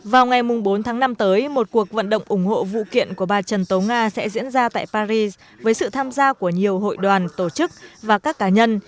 vào ngày bốn tháng năm tới một cuộc vận động ủng hộ vụ kiện của bà trần tố nga sẽ diễn ra tại paris với sự tham gia của nhiều hội đoàn tổ chức và các cá nhân